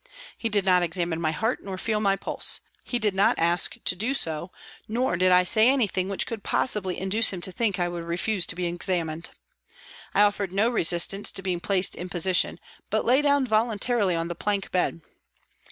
He did not examine my heart nor feel my pulse ; he did not ask to do so, nor did I say anything which could possibly induce him to think I would refuse to be examined. I offered no resistance to being placed in position, but lay down voluntarily on the plank bed.